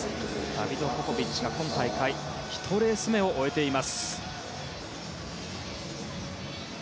ダビド・ポポビッチが今大会１レース目を終えています。